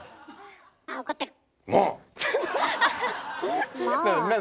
あ怒ってる。